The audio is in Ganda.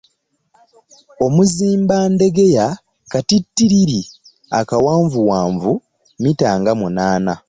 Omuzimbandegeya katittiriri akawanvuwanvu mita nga munaana.